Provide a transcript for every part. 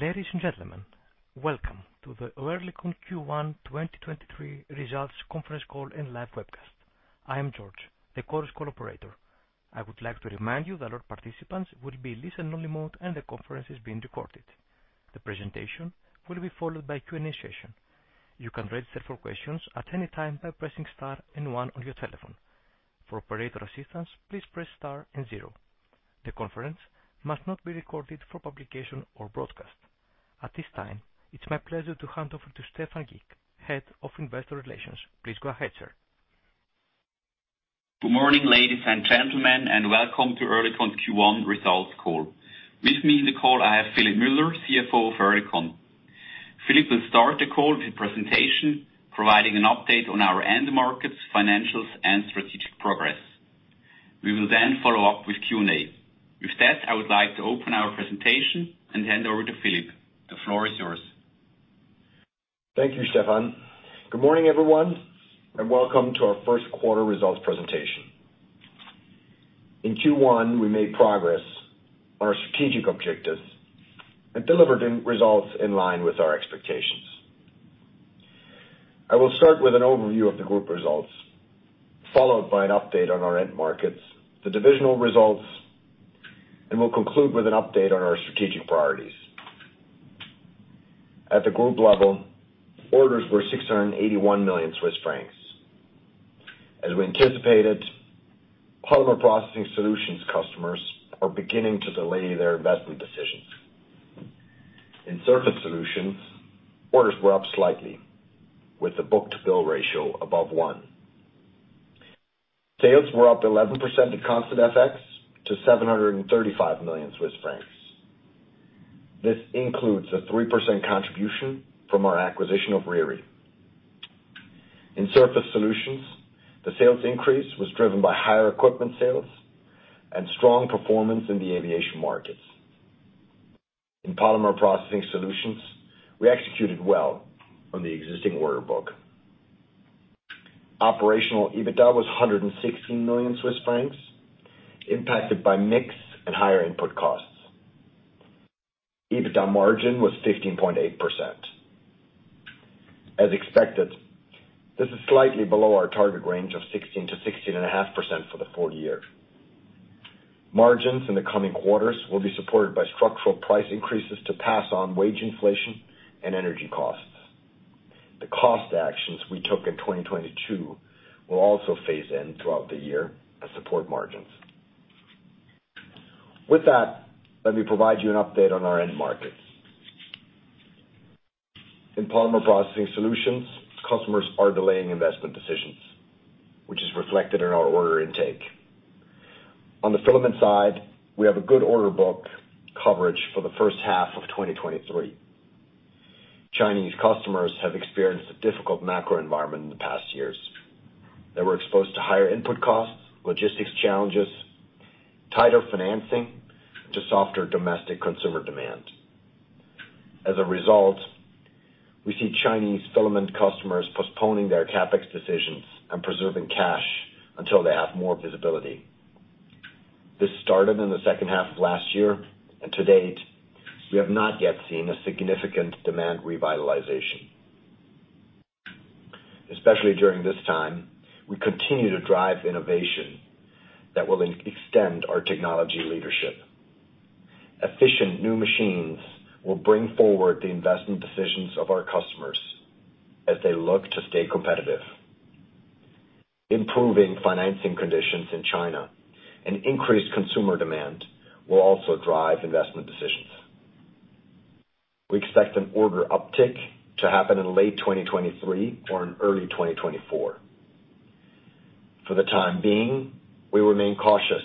Ladies and gentlemen, welcome to the Oerlikon Q1 2023 Results Conference Call and live webcast. I am George, the Chorus Call operator. I would like to remind you that all participants will be in listen only mode and the conference is being recorded. The presentation will be followed by Q&A session. You can register for questions at any time by pressing star on on your telephone. For operator assistance, please press star zero. The conference must not be recorded for publication or broadcast. At this time, it's my pleasure to hand over to Stephan Gick, Head of Investor Relations. Please go ahead, sir. Good morning, ladies and gentlemen, and welcome to Oerlikon's Q1 results call. With me in the call, I have Philipp Müller, CFO of Oerlikon. Philipp will start the call with a presentation providing an update on our end markets, financials, and strategic progress. We will follow up with Q&A. With that, I would like to open our presentation and hand over to Philipp. The floor is yours. Thank you, Stephan. Good morning, everyone, welcome to our first quarter results presentation. In Q1, we made progress on our strategic objectives and delivered results in line with our expectations. I will start with an overview of the group results, followed by an update on our end markets, the divisional results, and we'll conclude with an update on our strategic priorities. At the group level, orders were 681 million Swiss francs. As we anticipated, Polymer Processing Solutions customers are beginning to delay their investment decisions. In Surface Solutions, orders were up slightly with a book-to-bill ratio above one. Sales were up 11% at constant FX to 735 million Swiss francs. This includes a 3% contribution from our acquisition of Riri. In Surface Solutions, the sales increase was driven by higher equipment sales and strong performance in the aviation markets. In Polymer Processing Solutions, we executed well on the existing order book. Operational EBITDA was 116 million Swiss francs, impacted by mix and higher input costs. EBITDA margin was 15.8%. As expected, this is slightly below our target range of 16%-16.5% for the full year. Margins in the coming quarters will be supported by structural price increases to pass on wage inflation and energy costs. The cost actions we took in 2022 will also phase in throughout the year and support margins. Let me provide you an update on our end markets. In Polymer Processing Solutions, customers are delaying investment decisions, which is reflected in our order intake. On the filament side, we have a good order book coverage for the first half of 2023. Chinese customers have experienced a difficult macro environment in the past years. They were exposed to higher input costs, logistics challenges, tighter financing to softer domestic consumer demand. We see Chinese filament customers postponing their CapEx decisions and preserving cash until they have more visibility. This started in the second half of last year, to date, we have not yet seen a significant demand revitalization. Especially during this time, we continue to drive innovation that will extend our technology leadership. Efficient new machines will bring forward the investment decisions of our customers as they look to stay competitive. Improving financing conditions in China and increased consumer demand will also drive investment decisions. We expect an order uptick to happen in late 2023 or in early 2024. For the time being, we remain cautious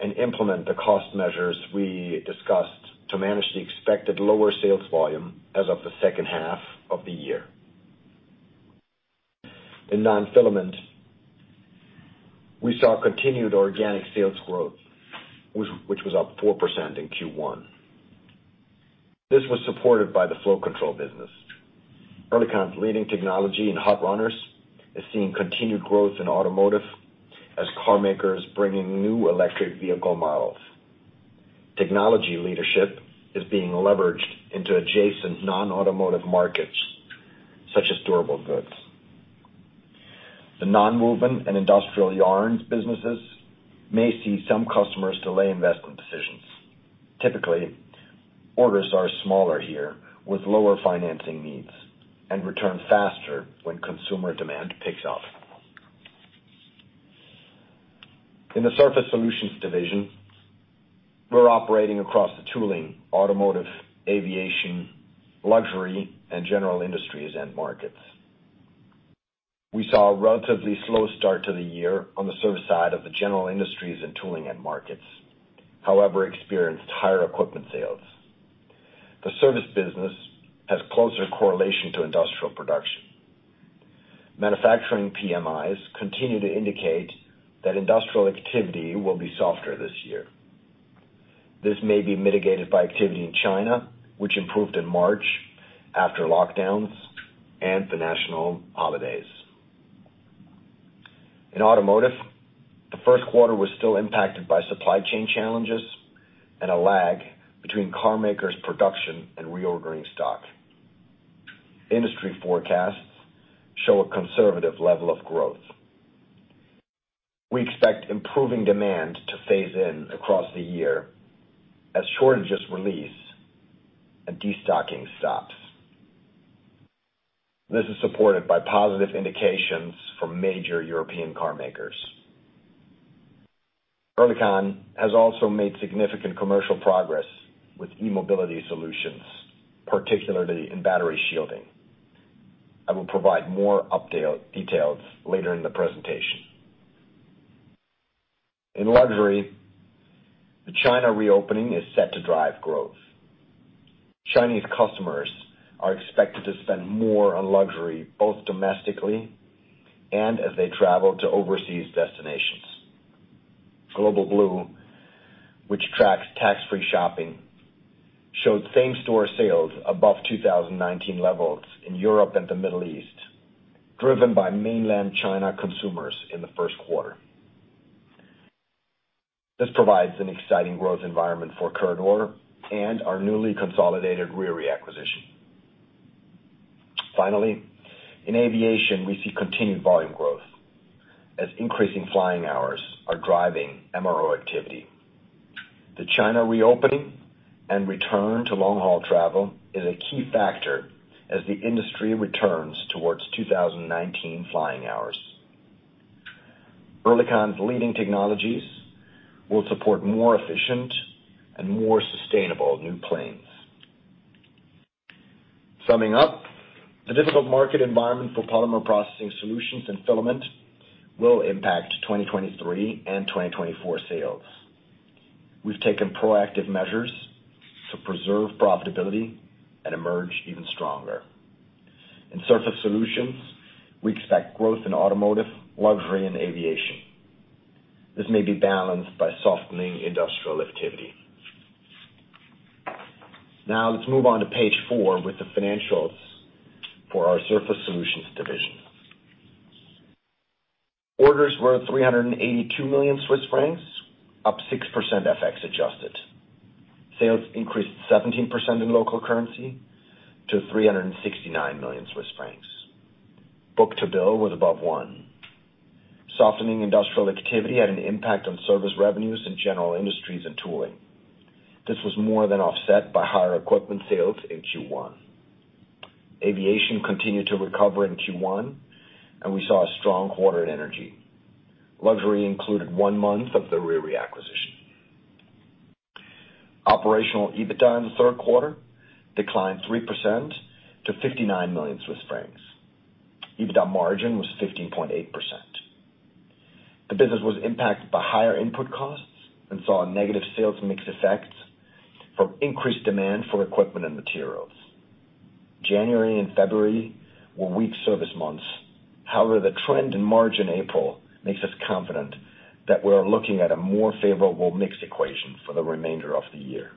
and implement the cost measures we discussed to manage the expected lower sales volume as of the second half of the year. In non-filament, we saw continued organic sales growth, which was up 4% in Q1. This was supported by the flow control business. Oerlikon's leading technology in hot runners is seeing continued growth in automotive as carmakers bring in new electric vehicle models. Technology leadership is being leveraged into adjacent non-automotive markets such as durable goods. The nonwoven and industrial yarns businesses may see some customers delay investment decisions. Typically, orders are smaller here with lower financing needs and return faster when consumer demand picks up. In the Surface Solutions division, we're operating across the tooling, automotive, aviation, luxury, and general industries end markets. We saw a relatively slow start to the year on the service side of the general industries and tooling end markets, however, experienced higher equipment sales. The service business has closer correlation to industrial production. Manufacturing PMIs continue to indicate that industrial activity will be softer this year. This may be mitigated by activity in China, which improved in March after lockdowns and the national holidays. In automotive, the first quarter was still impacted by supply chain challenges and a lag between car makers production and reordering stock. Industry forecasts show a conservative level of growth. We expect improving demand to phase in across the year as shortages release and destocking stops. This is supported by positive indications from major European car makers. Oerlikon has also made significant commercial progress with e-mobility solutions, particularly in battery shielding. I will provide more details later in the presentation. In luxury, the China reopening is set to drive growth. Chinese customers are expected to spend more on luxury, both domestically and as they travel to overseas destinations. Global Blue, which tracks tax free shopping, showed same store sales above 2019 levels in Europe and the Middle East, driven by mainland China consumers in the first quarter. This provides an exciting growth environment for Coeurdor and our newly consolidated Riri acquisition. In aviation, we see continued volume growth as increasing flying hours are driving MRO activity. The China reopening and return to long haul travel is a key factor as the industry returns towards 2019 flying hours. Oerlikon's leading technologies will support more efficient and more sustainable new planes. Summing up, the difficult market environment for Polymer Processing Solutions and filament will impact 2023 and 2024 sales. We've taken proactive measures to preserve profitability and emerge even stronger. In Surface Solutions, we expect growth in automotive, luxury and aviation. This may be balanced by softening industrial activity. Now, let's move on to page four with the financials for our Surface Solutions division. Orders were 382 million Swiss francs, up 6% FX adjusted. Sales increased 17% in local currency to 369 million Swiss francs. Book to bill was above one. Softening industrial activity had an impact on service revenues in general industries and tooling. This was more than offset by higher equipment sales in Q1. Aviation continued to recover in Q1, and we saw a strong quarter in energy. Luxury included one month of the Riri acquisition. Operational EBITDA in the third quarter declined 3% to 59 million Swiss francs. EBITDA margin was 15.8%. The business was impacted by higher input costs and saw negative sales mix effects from increased demand for equipment and materials. January and February were weak service months. The trend in March and April makes us confident that we are looking at a more favorable mix equation for the remainder of the year.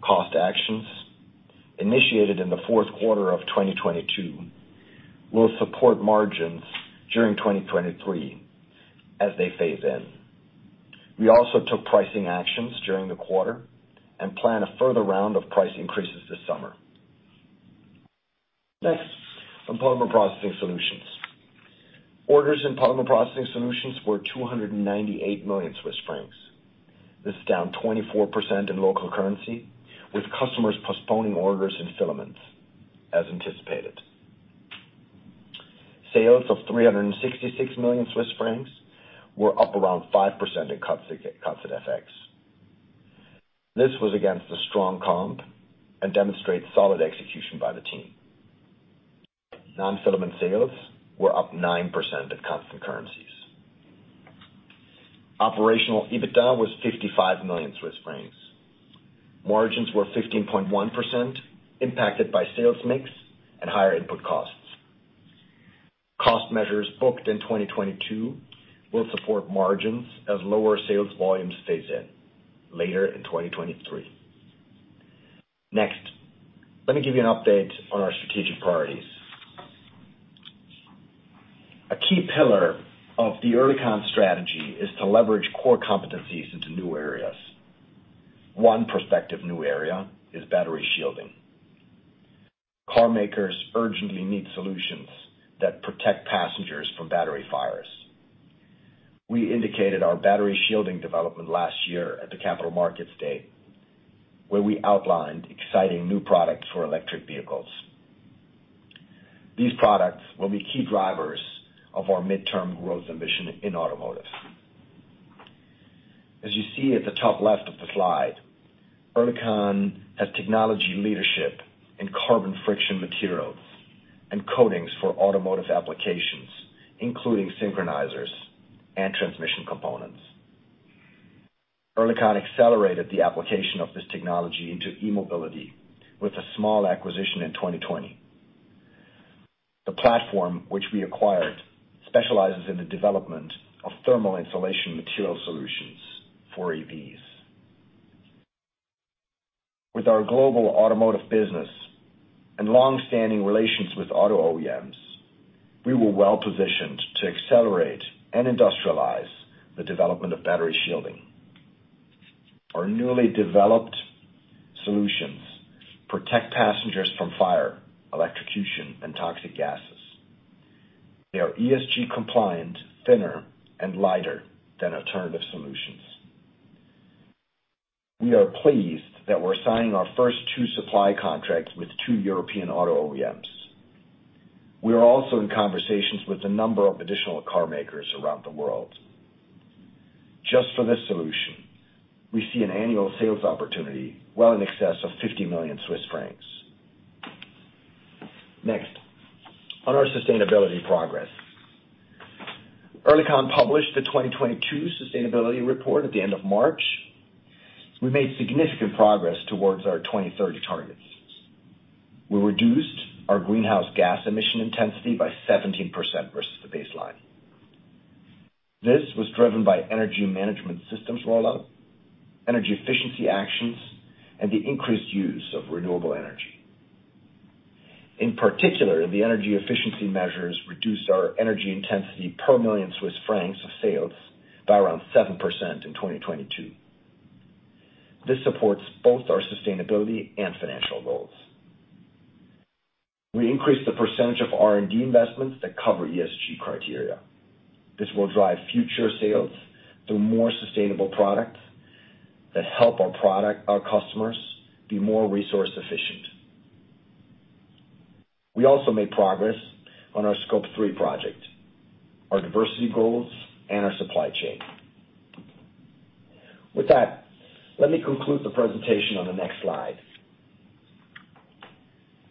Cost actions initiated in the fourth quarter of 2022 will support margins during 2023 as they phase in. We also took pricing actions during the quarter and plan a further round of price increases this summer. On Polymer Processing Solutions. Orders in Polymer Processing Solutions were 298 million Swiss francs. This is down 24% in local currency, with customers postponing orders in filaments as anticipated. Sales of 366 million Swiss francs were up around 5% in constant FX. This was against a strong comp and demonstrates solid execution by the team. Non-filament sales were up 9% at constant currencies. Operational EBITDA was 55 million Swiss francs. Margins were 15.1% impacted by sales mix and higher input costs. Cost measures booked in 2022 will support margins as lower sales volumes phase in later in 2023. Let me give you an update on our strategic priorities. A key pillar of the Oerlikon strategy is to leverage core competencies into new areas. One prospective new area is battery shielding. Car makers urgently need solutions that protect passengers from battery fires. We indicated our battery shielding development last year at the Capital Markets Day, where we outlined exciting new products for electric vehicles. These products will be key drivers of our midterm growth ambition in automotive. As you see at the top left of the slide, Oerlikon has technology leadership in carbon friction materials and coatings for automotive applications, including synchronizers and transmission components. Oerlikon accelerated the application of this technology into e-mobility with a small acquisition in 2020. The platform which we acquired specializes in the development of thermal insulation material solutions for EVs. With our global automotive business and long-standing relations with auto OEMs, we were well-positioned to accelerate and industrialize the development of battery shielding. Our newly developed solutions protect passengers from fire, electrocution, and toxic gases. They are ESG compliant, thinner and lighter than alternative solutions. We are pleased that we're signing our first two supply contracts with two European auto OEMs. We are also in conversations with a number of additional car makers around the world. Just for this solution, we see an annual sales opportunity well in excess of 50 million Swiss francs. Next, on our sustainability progress. Oerlikon published the 2022 sustainability report at the end of March. We made significant progress towards our 2030 targets. We reduced our greenhouse gas emission intensity by 17% versus the baseline. This was driven by energy management systems rollout, energy efficiency actions, and the increased use of renewable energy. In particular, the energy efficiency measures reduced our energy intensity per million CHF of sales by around 7% in 2022. This supports both our sustainability and financial goals. We increased the percentage of R&D investments that cover ESG criteria. This will drive future sales through more sustainable products that help our customers be more resource efficient. We also made progress on our Scope three project, our diversity goals, and our supply chain. With that, let me conclude the presentation on the next slide.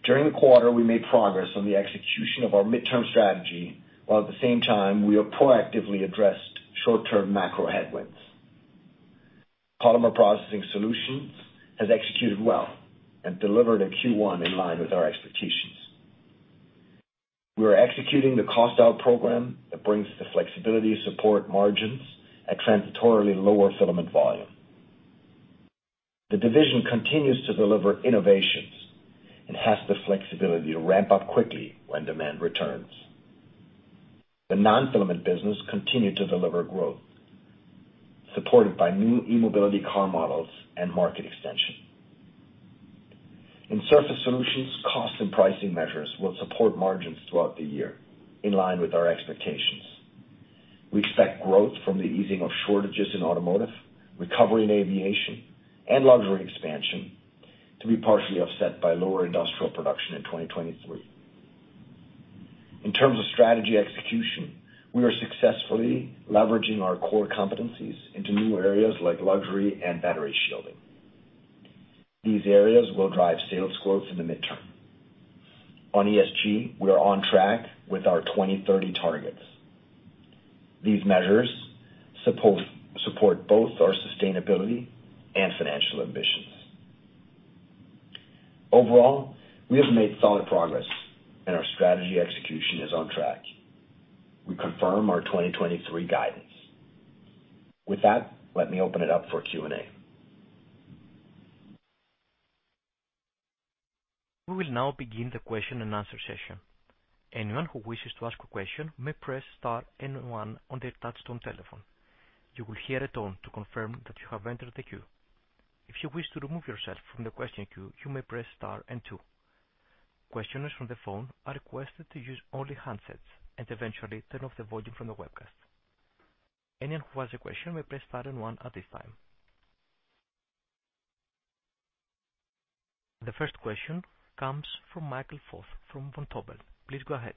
During the quarter, we made progress on the execution of our midterm strategy, while at the same time we have proactively addressed short-term macro headwinds. Polymer Processing Solutions has executed well and delivered a Q1 in line with our expectations. We are executing the cost out program that brings the flexibility to support margins at transitorily lower filament volume. The division continues to deliver innovations and has the flexibility to ramp up quickly when demand returns. The non-filament business continued to deliver growth, supported by new e-mobility car models and market extension. In Surface Solutions, cost and pricing measures will support margins throughout the year in line with our expectations. We expect growth from the easing of shortages in automotive, recovery in aviation, and luxury expansion to be partially offset by lower industrial production in 2023. In terms of strategy execution, we are successfully leveraging our core competencies into new areas like luxury and battery shielding. These areas will drive sales growth in the midterm. On ESG, we are on track with our 2030 targets. These measures support both our sustainability and financial ambitions. Overall, we have made solid progress and our strategy execution is on track. We confirm our 2023 guidance. With that, let me open it up for Q&A. We will now begin the question and answer session. Anyone who wishes to ask a question may press star and one on their touch-tone telephone. You will hear a tone to confirm that you have entered the queue. If you wish to remove yourself from the question queue, you may press star and two. Questioners from the phone are requested to use only handsets and eventually turn off the volume from the webcast. Anyone who has a question may press star and one at this time. The first question comes from Michael Foeth from Vontobel. Please go ahead.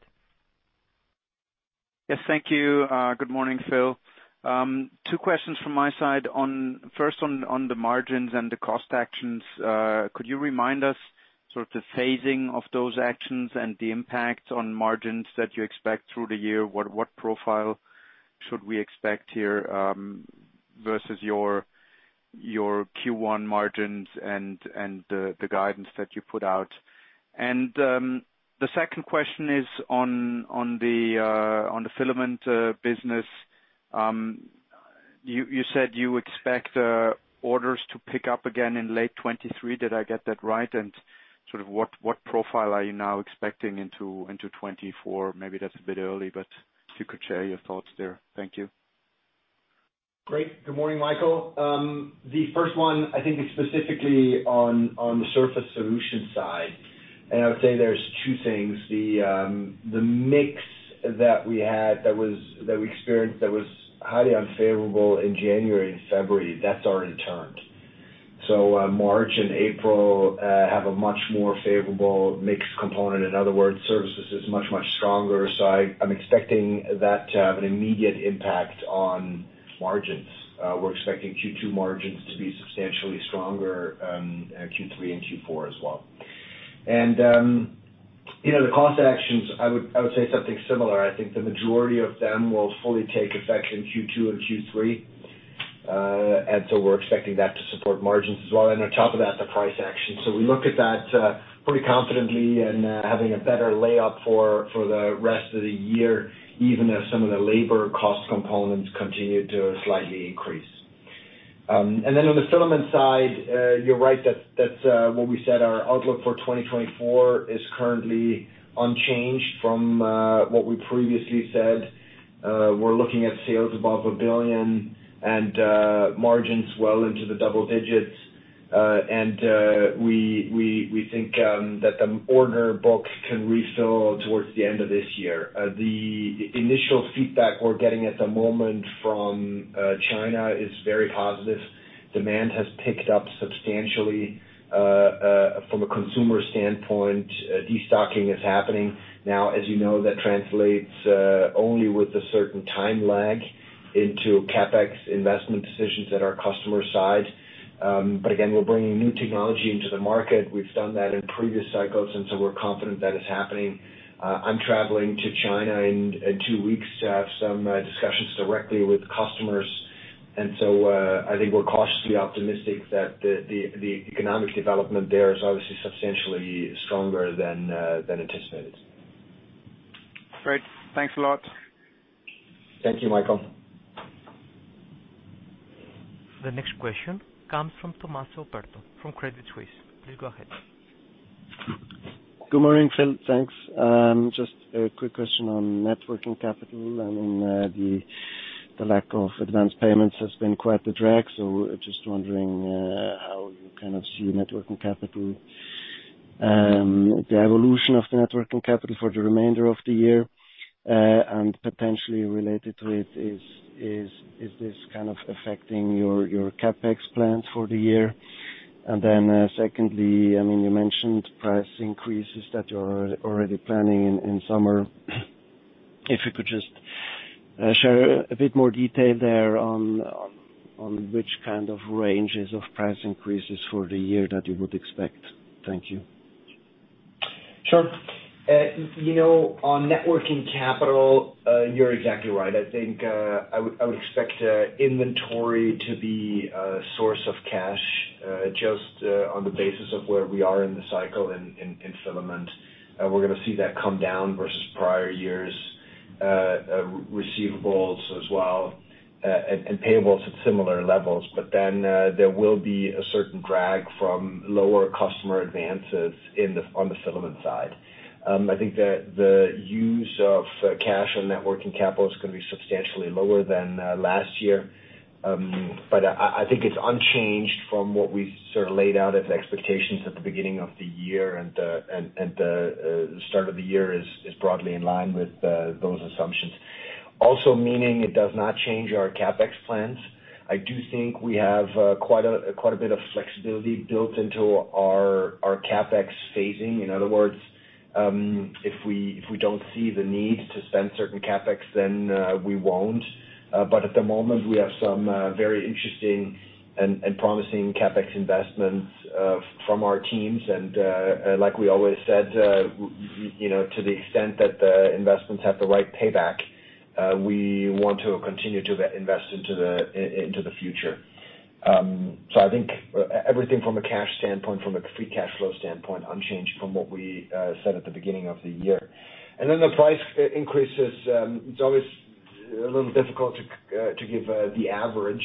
Yes, thank you. Good morning, Philipp. Two questions from my side on, first on the margins and the cost actions. Could you remind us sort of the phasing of those actions and the impact on margins that you expect through the year? What profile should we expect here versus your Q1 margins and the guidance that you put out? The second question is on the filament business. You said you expect orders to pick up again in late 2023. Did I get that right? Sort of what profile are you now expecting into 2024? Maybe that's a bit early, but if you could share your thoughts there. Thank you. Great. Good morning, Michael. The first one I think is specifically on the Surface Solutions side. I would say there's two things. The mix that we experienced that was highly unfavorable in January and February, that's already turned. March and April have a much more favorable mix component. In other words, services is much stronger. I'm expecting that to have an immediate impact on margins. We're expecting Q2 margins to be substantially stronger, Q3 and Q4 as well. You know, the cost actions, I would say something similar. I think the majority of them will fully take effect in Q2 and Q3. We're expecting that to support margins as well. On top of that, the price action. We look at that pretty confidently and having a better layup for the rest of the year, even as some of the labor cost components continue to slightly increase. On the filament side, you're right that that's what we said. Our outlook for 2024 is currently unchanged from what we previously said. We're looking at sales above one billion and margins well into the double digits. We think that the order book can refill towards the end of this year. The initial feedback we're getting at the moment from China is very positive. Demand has picked up substantially from a consumer standpoint. Destocking is happening now. As you know, that translates only with a certain time lag into CapEx investment decisions at our customer side. Again, we're bringing new technology into the market. We've done that in previous cycles, and so we're confident that is happening. I'm traveling to China in two weeks to have some discussions directly with customers. I think we're cautiously optimistic that the economic development there is obviously substantially stronger than anticipated. Great. Thanks a lot. Thank you, Michael. The next question comes from Tommaso Polpetta from Credit Suisse. Please go ahead. Good morning, Phil. Thanks. Just a quick question on networking capital. The lack of advanced payments has been quite the drag, so just wondering how you kind of see networking capital, the evolution of the networking capital for the remainder of the year, and potentially related to it is this kind of affecting your CapEx plans for the year? Secondly, you mentioned price increases that you're already planning in summer. If you could just share a bit more detail there on which kind of ranges of price increases for the year that you would expect. Thank you. Sure. you know, on networking capital, you're exactly right. I think, I would expect, inventory to be a source of cash, just, on the basis of where we are in the cycle in filament. we're gonna see that come down versus prior years, receivables as well, and payables at similar levels. There will be a certain drag from lower customer advances on the filament side. I think the use of cash on net working capital is gonna be substantially lower than, last year. but I think it's unchanged from what we sort of laid out as expectations at the beginning of the year. The, start of the year is broadly in line with, those assumptions. Also meaning it does not change our CapEx plans. I do think we have quite a bit of flexibility built into our CapEx phasing. In other words, if we don't see the need to spend certain CapEx, then we won't. At the moment, we have some very interesting and promising CapEx investments from our teams. Like we always said, you know, to the extent that the investments have the right payback, we want to continue to invest into the future. I think everything from a cash standpoint, from a free cash flow standpoint, unchanged from what we said at the beginning of the year. The price increases, it's always a little difficult to give the average.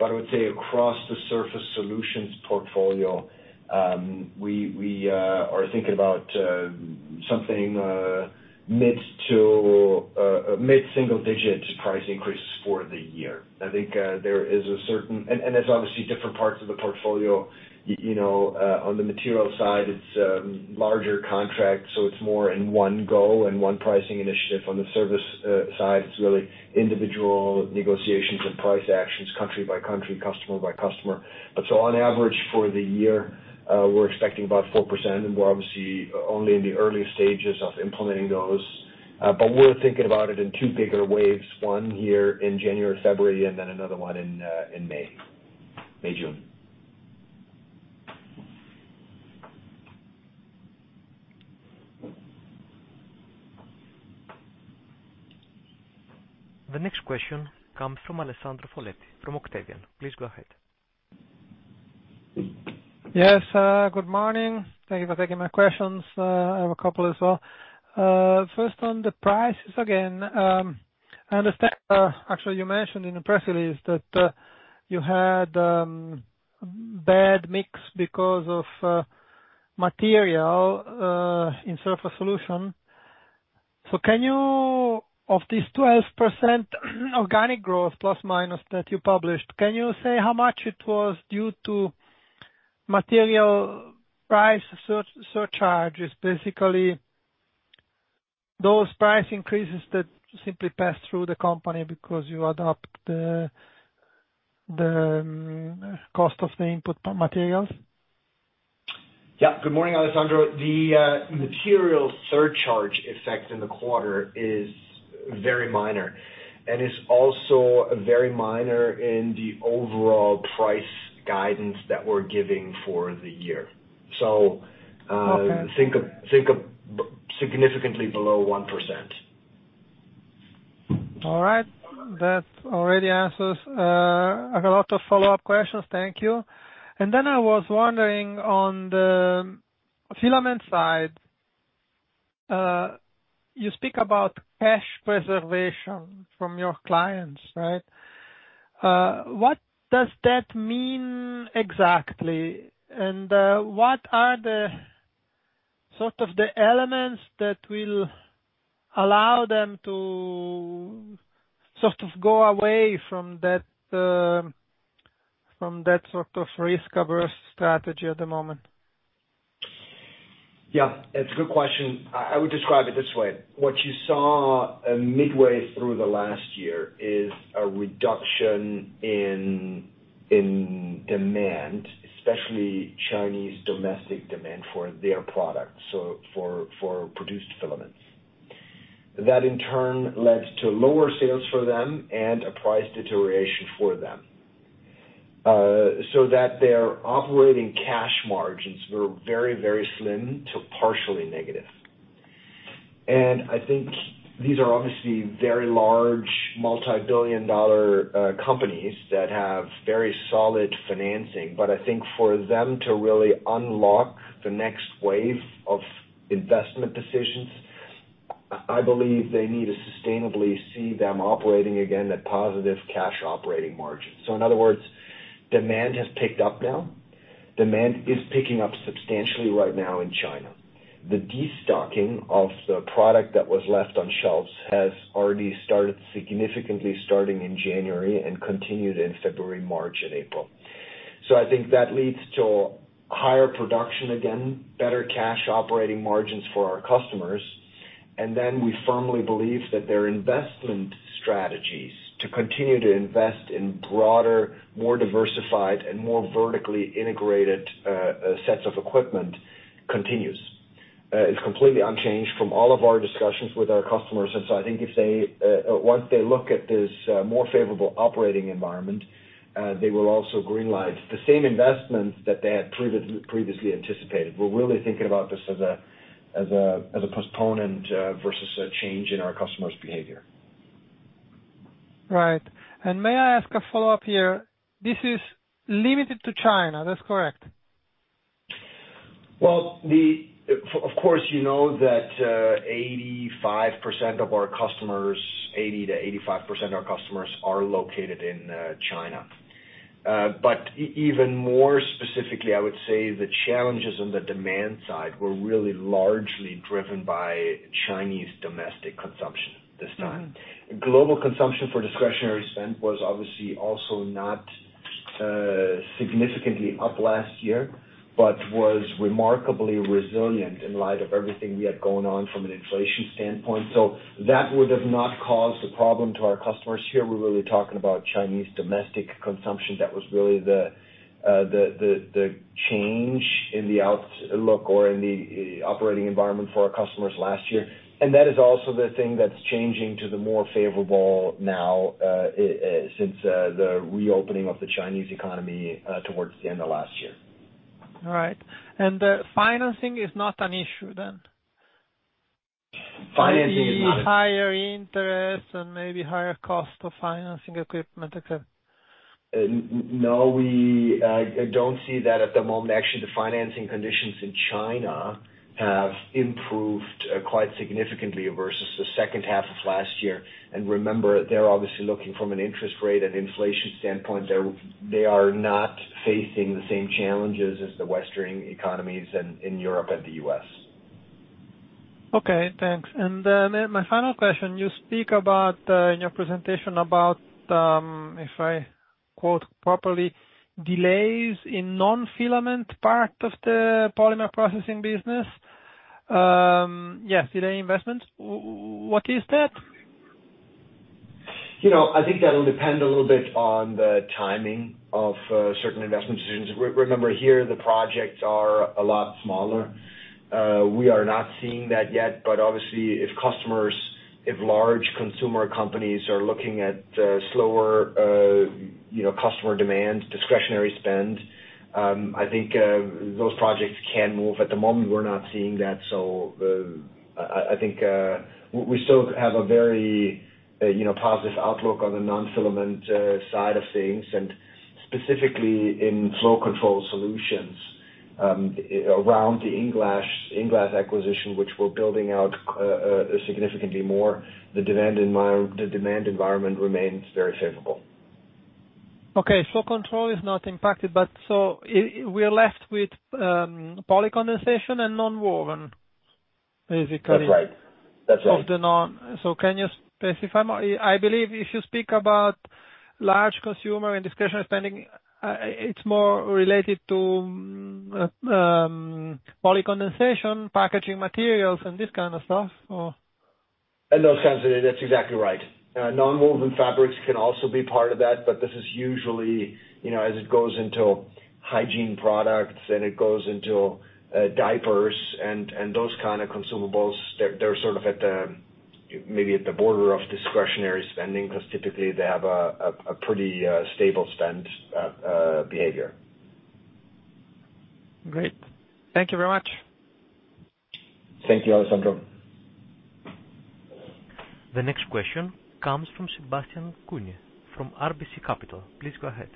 I would say across the Surface Solutions portfolio, we are thinking about something mid to mid-single digit price increases for the year. There's obviously different parts of the portfolio. You know, on the material side, it's larger contracts, so it's more in one go and one pricing initiative. On the service side, it's really individual negotiations and price actions country by country, customer by customer. On average for the year, we're expecting about 4%, and we're obviously only in the early stages of implementing those. We're thinking about it in two bigger waves, one here in January, February, and then another one in May, June. The next question comes from Alessandro Foletti from Octavian. Please go ahead. Yes, good morning. Thank you for taking my questions. I have a couple as well. First on the prices again, I understand, actually you mentioned in the press release that you had bad mix because of material in Surface Solutions. Of this 12% organic growth, ±, that you published, can you say how much it was due to material price surcharges? Basically, those price increases that simply pass through the company because you adopt the cost of the input materials. Good morning, Alessandro. The material surcharge effect in the quarter is very minor and is also very minor in the overall price guidance that we're giving for the year. Okay. Think of significantly below 1%. All right. That already answers, a lot of follow up questions. Thank you. I was wondering on the filament side, you speak about cash preservation from your clients, right? What does that mean exactly? What are the sort of the elements that will allow them to sort of go away from that, from that sort of risk-averse strategy at the moment? Yeah, it's a good question. I would describe it this way. What you saw midway through the last year is a reduction in demand, especially Chinese domestic demand for their products, so for produced filaments. That, in turn, led to lower sales for them and a price deterioration for them. So that their operating cash margins were very slim to partially negative. I think these are obviously very large, multi-billion dollar companies that have very solid financing. I think for them to really unlock the next wave of investment decisions, I believe they need to sustainably see them operating again at positive cash operating margins. In other words, demand has picked up now. Demand is picking up substantially right now in China. The destocking of the product that was left on shelves has already started significantly starting in January and continued in February, March and April. I think that leads to higher production again, better cash operating margins for our customers. We firmly believe that their investment strategies to continue to invest in broader, more diversified and more vertically integrated sets of equipment continues. It's completely unchanged from all of our discussions with our customers. I think if they once they look at this more favorable operating environment, they will also greenlight the same investments that they had previously anticipated. We're really thinking about this as a postponement versus a change in our customers' behavior. Right. May I ask a follow-up here? This is limited to China. That's correct? Well, of course, you know that 85% of our customers, 80%-85% of our customers are located in China. Even more specifically, I would say the challenges on the demand side were really largely driven by Chinese domestic consumption this time. Mm-hmm. Global consumption for discretionary spend was obviously also not significantly up last year, but was remarkably resilient in light of everything we had going on from an inflation standpoint. That would have not caused a problem to our customers. Here, we're really talking about Chinese domestic consumption. That was really the change in the outlook or in the operating environment for our customers last year. That is also the thing that's changing to the more favorable now since the reopening of the Chinese economy towards the end of last year. All right. The financing is not an issue then? Financing is not. Maybe higher interest and maybe higher cost of financing equipment, et cetera. No, we don't see that at the moment. Actually, the financing conditions in China have improved quite significantly versus the second half of last year. Remember, they're obviously looking from an interest rate and inflation standpoint. They are not facing the same challenges as the Western economies in Europe and the US. Okay, thanks. My final question, you speak about, in your presentation about, if I quote properly, "Delays in non-filament part of the Polymer Processing business." yes, delay investments. What is that? You know, I think that'll depend a little bit on the timing of certain investment decisions. Remember, here, the projects are a lot smaller. We are not seeing that yet. Obviously, if customers, if large consumer companies are looking at slower, you know, customer demand, discretionary spend, I think those projects can move. At the moment, we're not seeing that. I think we still have a very, you know, positive outlook on the non-filament side of things, and specifically in flow control solutions, around the INglass acquisition, which we're building out significantly more. The demand environment remains very favorable. Okay. control is not impacted, but we are left with polycondensation and nonwoven. That's right. That's right.... of the non. Can you specify more? I believe if you speak about large consumer and discretionary spending, it's more related to polycondensation, packaging materials and this kind of stuff. Or? In those senses, that's exactly right. Nonwoven fabrics can also be part of that, but this is usually, you know, as it goes into hygiene products, and it goes into diapers and those kind of consumables, they're sort of at the maybe at the border of discretionary spending 'cause typically they have a pretty stable spend behavior. Great. Thank you very much. Thank you, Alessandro. The next question comes from Sebastian Kuenne from RBC Capital. Please go ahead.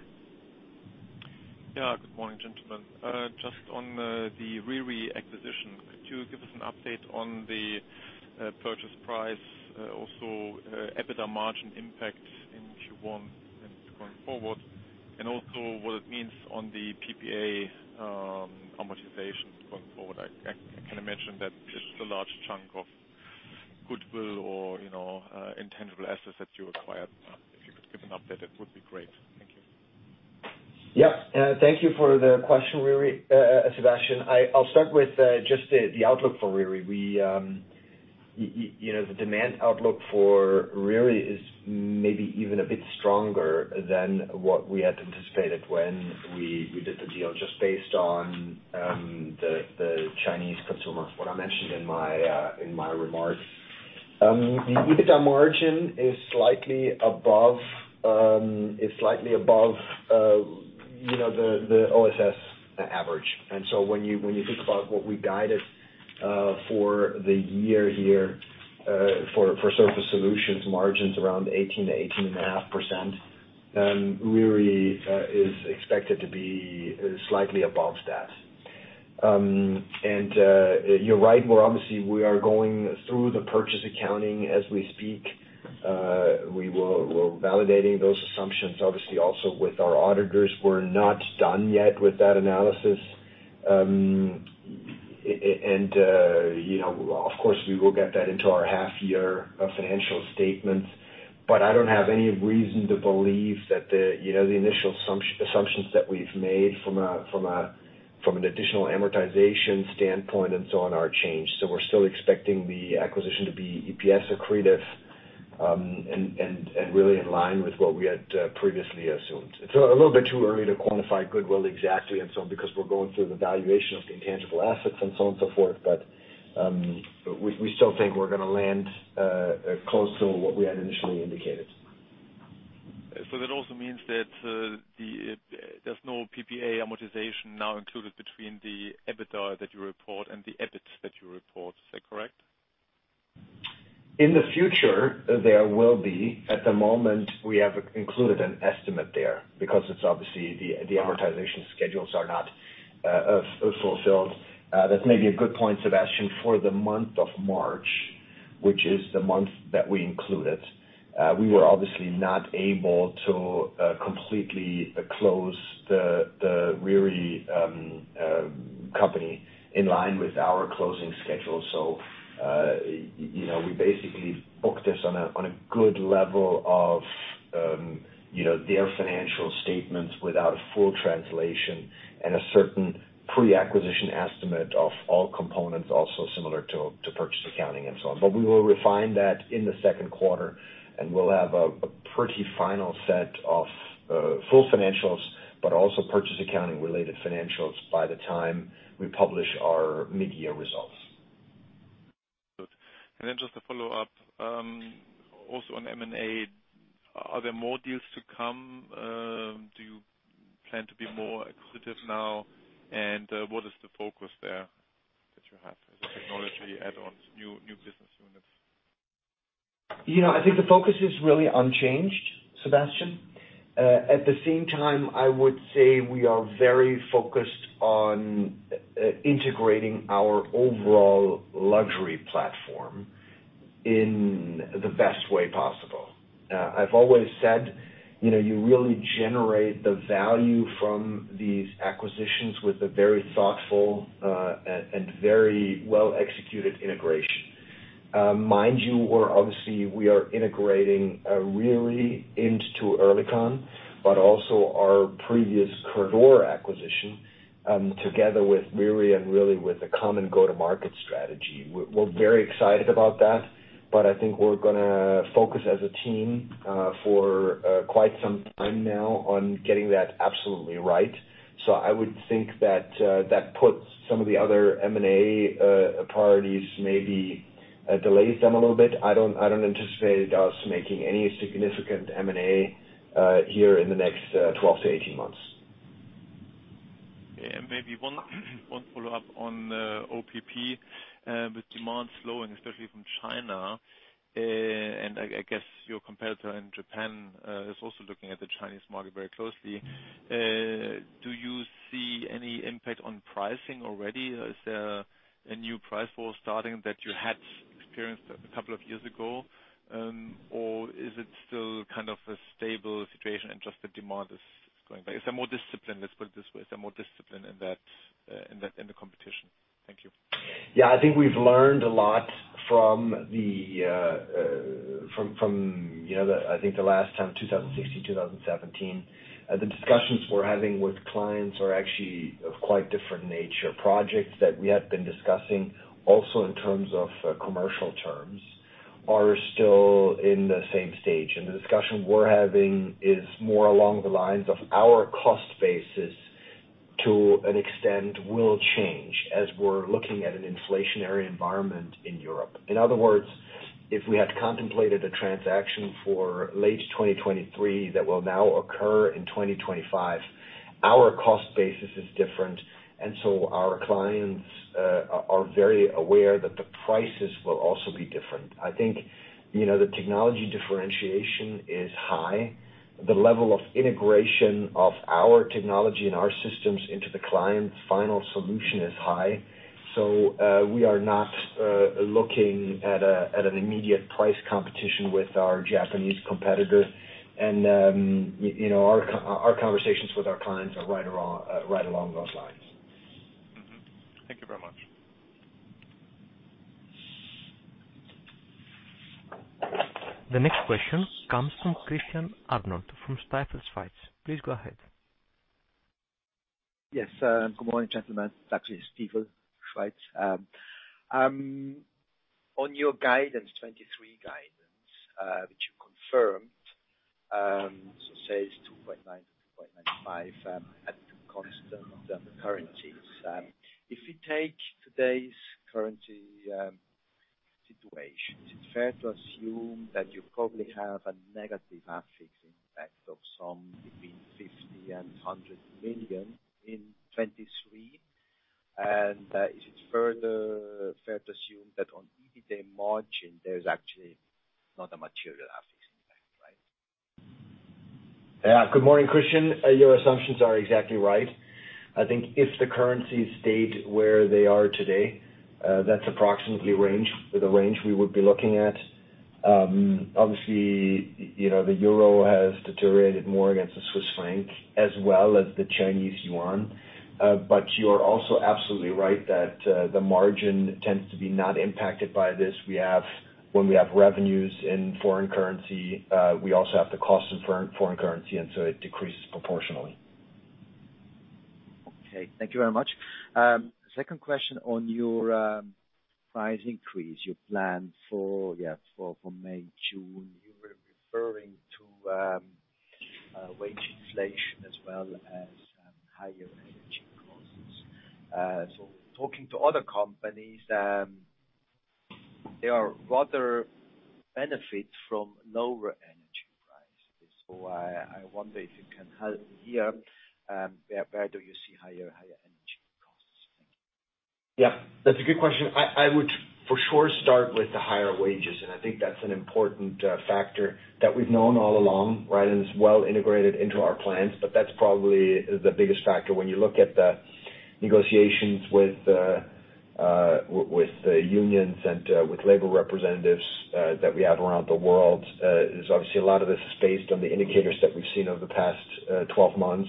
Yeah. Good morning, gentlemen. Just on the Riri acquisition, could you give us an update on the purchase price, also EBITDA margin impact in Q1 and going forward, and also what it means on the PPA amortization going forward? I kinda imagine that it's just a large chunk of goodwill or, you know, intangible assets that you acquired. If you could give an update, that would be great. Thank you. Yeah. Thank you for the question, Riri, Sebastian. I'll start with just the outlook for Riri. We, you know, the demand outlook for Riri is maybe even a bit stronger than what we had anticipated when we did the deal just based on the Chinese consumer, what I mentioned in my remarks. The EBITDA margin is slightly above, is slightly above, you know, the OSS average. When you think about what we guided for the year here for Surface Solutions margins around 18%-18.5%, Riri is expected to be slightly above that. You're right. We are going through the purchase accounting as we speak. We're validating those assumptions obviously also with our auditors. We're not done yet with that analysis. You know, of course, we will get that into our half year of financial statements. I don't have any reason to believe that the, you know, the initial assumptions that we've made from a, from a, from an additional amortization standpoint and so on are changed. We're still expecting the acquisition to be EPS accretive, and really in line with what we had previously assumed. It's a little bit too early to quantify goodwill exactly and so on, because we're going through the valuation of the intangible assets and so on, so forth. We still think we're gonna land close to what we had initially indicated. That also means that there's no PPA amortization now included between the EBITDA that you report and the EBIT that you report. Is that correct? In the future, there will be. At the moment, we have included an estimate there because it's obviously the amortization schedules are not fulfilled. That may be a good point, Sebastian, for the month of March, which is the month that we included. We were obviously not able to completely close the Riri company in line with our closing schedule. You know, we basically booked this on a good level of, you know, their financial statements without a full translation and a certain pre-acquisition estimate of all components also similar to purchase accounting and so on. We will refine that in the second quarter, and we'll have a pretty final set of full financials, but also purchase accounting-related financials by the time we publish our mid-year results. Good. Just a follow-up, also on M&A. Are there more deals to come? Do you plan to be more accretive now? What is the focus there that you have as a technology add-ons, new business units? You know, I think the focus is really unchanged, Sebastian. At the same time, I would say we are very focused on integrating our overall luxury platform in the best way possible. I've always said, you know, you really generate the value from these acquisitions with a very thoughtful and very well-executed integration. Mind you, we are integrating Riri into Oerlikon, but also our previous Coeurdor acquisition, together with Riri and really with a common go-to-market strategy. We're very excited about that, but I think we're gonna focus as a team for quite some time now on getting that absolutely right. I would think that that puts some of the other M&A priorities, maybe, delays them a little bit. I don't anticipate us making any significant M&A, here in the next, 12-18 months. Yeah. Maybe one follow-up on, PPS. With demand slowing, especially from China, and I guess your competitor in Japan, is also looking at the Chinese market very closely. Do you see any impact on pricing already? Is there a new price war starting that you had experienced a couple of years ago? Is it still kind of a stable situation and just the demand is going back? Is there more discipline, let's put it this way. Is there more discipline in that, in the competition? Thank you. Yeah. I think we've learned a lot from the from, you know, the I think the last time, 2016, 2017. The discussions we're having with clients are actually of quite different nature. Projects that we had been discussing also in terms of commercial terms are still in the same stage. The discussion we're having is more along the lines of our cost basisTo an extent will change as we're looking at an inflationary environment in Europe. In other words, if we had contemplated a transaction for late 2023 that will now occur in 2025, our cost basis is different, our clients are very aware that the prices will also be different. I think, you know, the technology differentiation is high. The level of integration of our technology and our systems into the client's final solution is high. We are not looking at an immediate price competition with our Japanese competitors. You know, our conversations with our clients are right along those lines. Mm-hmm. Thank you very much. The next question comes from Christian Arnold from Stifel. Please go ahead. Yes. Good morning, gentlemen. That is Stifel. On your 2023 guidance, which you confirmed, say it's 2.9 billion-2.95 billion at the constant of the currencies. If we take today's currency situation, is it fair to assume that you probably have a negative FX impact of some between 50 million and 100 million in 2023? Is it further fair to assume that on EBITA margin, there's actually not a material FX impact, right? Yeah. Good morning, Christian. Your assumptions are exactly right. I think if the currencies stayed where they are today, that's approximately the range we would be looking at. Obviously, you know, the euro has deteriorated more against the Swiss franc as well as the Chinese yuan. You're also absolutely right that the margin tends to be not impacted by this. When we have revenues in foreign currency, we also have the cost in foreign currency. It decreases proportionally. Okay. Thank you very much. Second question on your price increase, your plan for May, June. You were referring to wage inflation as well as higher energy costs. Talking to other companies, they are rather benefit from lower energy prices. I wonder if you can help me here, where do you see higher energy costs? Thank you. That's a good question. I would for sure start with the higher wages. I think that's an important factor that we've known all along, right? It's well integrated into our plans. That's probably the biggest factor when you look at the negotiations with the unions and with labor representatives that we have around the world. There's obviously a lot of this is based on the indicators that we've seen over the past 12 months.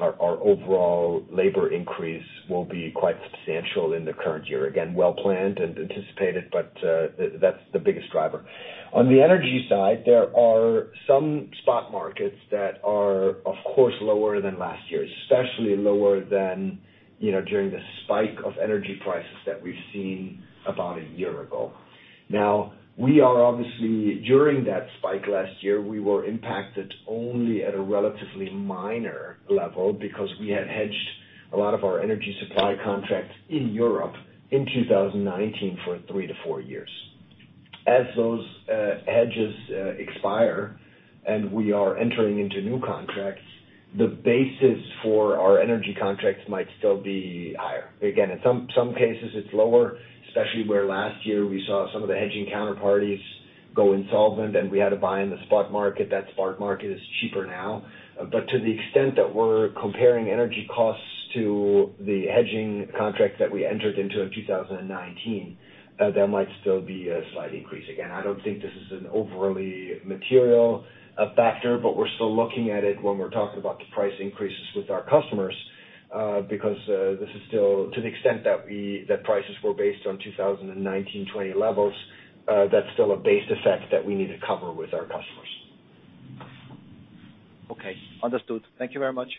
Our overall labor increase will be quite substantial in the current year. Again, well planned and anticipated, but that's the biggest driver. On the energy side, there are some spot markets that are, of course, lower than last year, especially lower than, you know, during the spike of energy prices that we've seen about one year ago. During that spike last year, we were impacted only at a relatively minor level because we had hedged a lot of our energy supply contracts in Europe in 2019 for three to four years. As those hedges expire and we are entering into new contracts, the basis for our energy contracts might still be higher. Again, in some cases, it's lower, especially where last year we saw some of the hedging counterparties go insolvent and we had to buy in the spot market. The spot market is cheaper now. To the extent that we're comparing energy costs to the hedging contracts that we entered into in 2019, there might still be a slight increase. I don't think this is an overly material factor, but we're still looking at it when we're talking about the price increases with our customers, because this is still to the extent that prices were based on 2019/2020 levels, that's still a base effect that we need to cover with our customers. Okay. Understood. Thank you very much.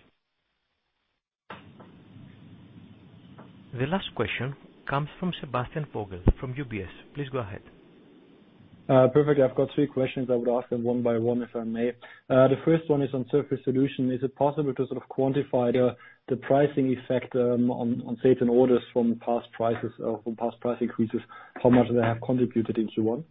The last question comes from Sebastian Vogel from UBS. Please go ahead. Perfect. I've got three questions I would ask them one by one, if I may. The first one is on Surface Solutions. Is it possible to sort of quantify the pricing effect on certain orders from past prices or from past price increases, how much they have contributed in Q1?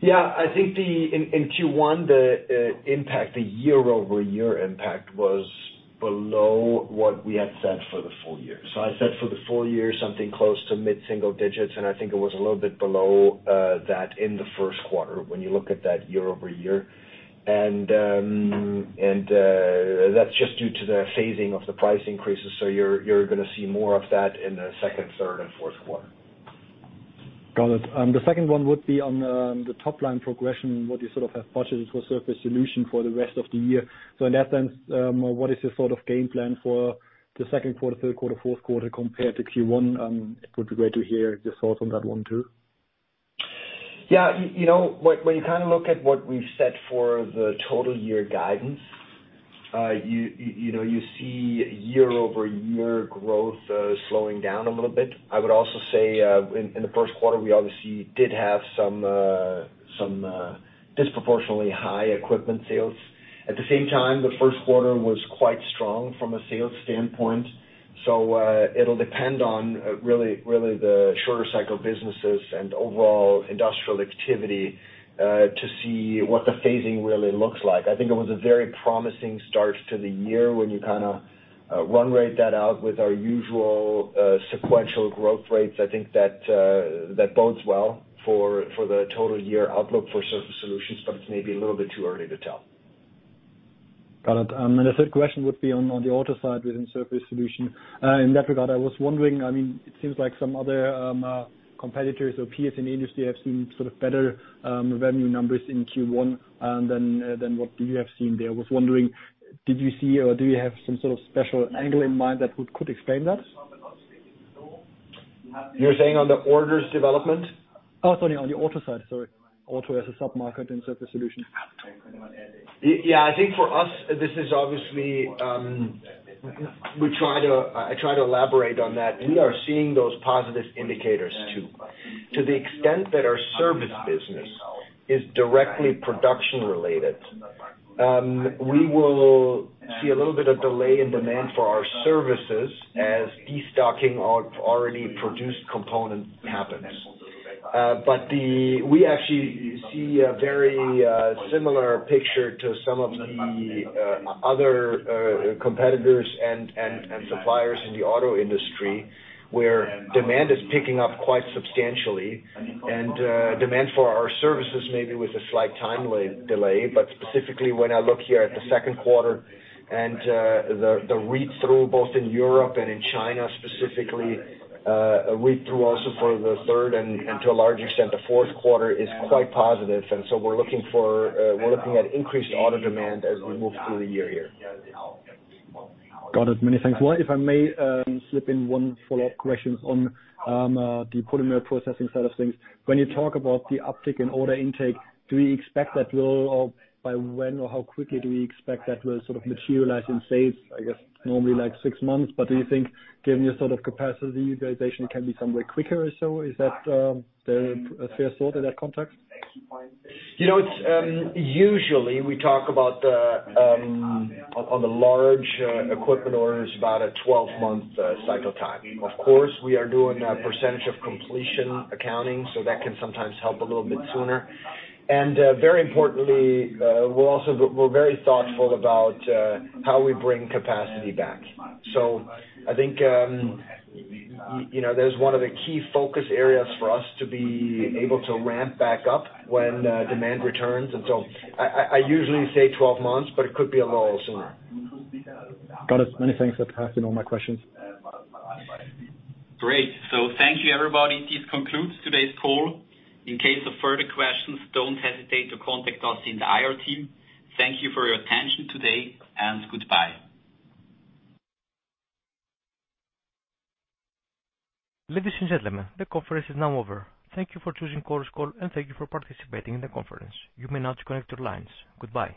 Yeah. I think In, in Q1, the impact, the year-over-year impact was below what we had said for the full year. I said for the full year, something close to mid-single digits, and I think it was a little bit below that in the first quarter when you look at that year-over-year. That's just due to the phasing of the price increases. You're gonna see more of that in the second, third, and fourth quarter. Got it. The second one would be on the top line progression, what you sort of have budgeted for Surface Solutions for the rest of the year. In that sense, what is your sort of game plan for the second quarter, third quarter, fourth quarter compared to Q1? It would be great to hear your thoughts on that one too. Yeah. You know, when you kinda look at what we've set for the total year guidance, you know, you see year-over-year growth slowing down a little bit. I would also say, in the first quarter, we obviously did have some disproportionately high equipment sales. At the same time, the first quarter was quite strong from a sales standpoint. It'll depend on really the shorter cycle businesses and overall industrial activity to see what the phasing really looks like. I think it was a very promising start to the year when you kinda run rate that out with our usual sequential growth rates. I think that bodes well for the total year outlook for Surface Solutions, but it's maybe a little bit too early to tell. Got it. The third question would be on the auto side within Surface Solutions. In that regard, I was wondering, I mean, it seems like some other competitors or peers in the industry have seen sort of better revenue numbers in Q1 than what you have seen there. I was wondering, did you see or do you have some sort of special angle in mind that could explain that? You're saying on the orders development? Oh, sorry, on the auto side, sorry. Auto as a sub-market in Surface Solutions. Yeah. I think for us, this is obviously, I try to elaborate on that. We are seeing those positive indicators too. To the extent that our service business is directly production related, we will see a little bit of delay in demand for our services as destocking of already produced component happens. We actually see a very similar picture to some of the other competitors and suppliers in the auto industry, where demand is picking up quite substantially. Demand for our services maybe with a slight time delay. Specifically when I look here at the second quarter and the read-through both in Europe and in China specifically, a read-through also for the third and to a large extent, the fourth quarter is quite positive. We're looking for, we're looking at increased order demand as we move through the year here. Got it. Many thanks. If I may, slip in one follow-up question on the polymer processing side of things. When you talk about the uptick in order intake, by when, or how quickly do we expect that will sort of materialize in sales? Normally like six months, but do you think giving you a sort of capacity utilization can be somewhere quicker or so? Is that a fair thought in that context? You know, it's, usually we talk about the, on the large, equipment orders, about a 12-month, cycle time. Of course, we are doing a percentage of completion accounting, so that can sometimes help a little bit sooner. Very importantly, we're very thoughtful about, how we bring capacity back. I think, you know, that is one of the key focus areas for us to be able to ramp back up when, demand returns. I usually say 12 months, but it could be a little sooner. Got it. Many thanks. That's actually all my questions. Great. Thank you, everybody. This concludes today's call. In case of further questions, don't hesitate to contact us in the IR team. Thank you for your attention today. Goodbye. Ladies and gentlemen, the conference is now over. Thank you for choosing Chorus Call, and thank you for participating in the conference. You may now disconnect your lines. Goodbye.